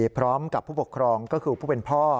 พร้อมกับผู้ปกครองก็คือผู้เป็นพ่อ